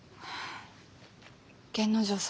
源之丞様